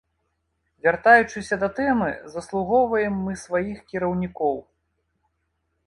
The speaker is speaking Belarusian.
Вяртаючыся да тэмы, заслугоўваем мы сваіх кіраўнікоў.